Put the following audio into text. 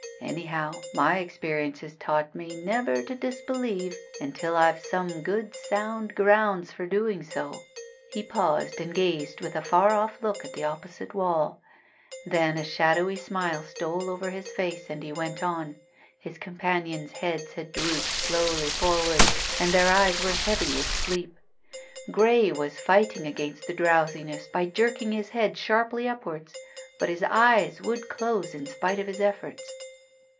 Anyhow, my experience has taught me never to disbelieve until I've some good sound grounds for doing so." He paused and gazed with a far off look at the opposite wall. Then a shadowy smile stole over his face, and he went on. His companions' heads had drooped slowly forward, and their eyes were heavy with sleep. Grey was fighting against the drowsiness by jerking his head sharply upwards, but his eyes would close in spite of his efforts.